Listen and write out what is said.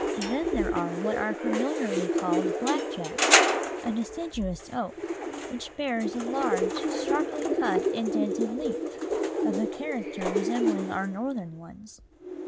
Then there are what are familiarly called black jacks, a deciduous oak, which bears a large, sharply cut, indented leaf, of a character resembling our Northern ones.